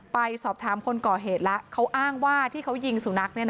ไปสอบถามคนก่อเหตุแล้วเขาอ้างว่าที่เขายิงสุนัข